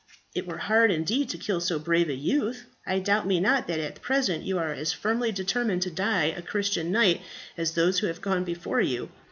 It were hard indeed to kill so brave a youth. I doubt me not that at present you are as firmly determined to die a Christian knight as those who have gone before you?